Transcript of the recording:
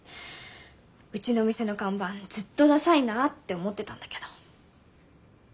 うちのお店の看板ずっとダサいなって思ってたんだけど。